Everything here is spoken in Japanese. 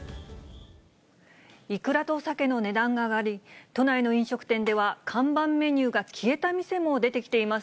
イクラとサケの値段が上がり、都内の飲食店では看板メニューが消えた店も出てきています。